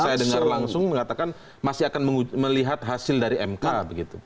saya dengar langsung mengatakan masih akan melihat hasil dari mk begitu